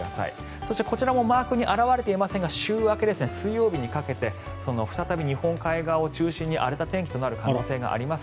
そして、こちらもマークには表れていませんが週明け、水曜日にかけて再び日本海側を中心に荒れた天気となる可能性があります。